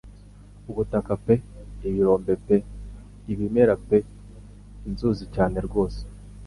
Ubutaka pe ibirombe pe ibimera pe inzuzi cyane rwose